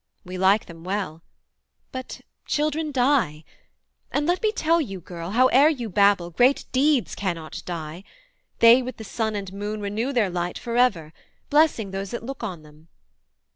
we like them well: But children die; and let me tell you, girl, Howe'er you babble, great deeds cannot die; They with the sun and moon renew their light For ever, blessing those that look on them.